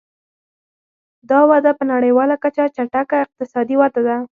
دا وده په نړیواله کچه چټکه اقتصادي وده ده.